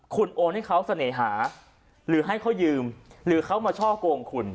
คุณโอนให้เขาเสน่หาหรือให้เขายืมหรือเขามาช่อกงคุณ